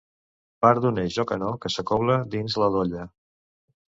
Part d'un eix o canó que s'acobla dins la dolla.